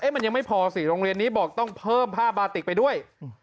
มันยังไม่พอสิโรงเรียนนี้บอกต้องเพิ่มผ้าบาติกไปด้วย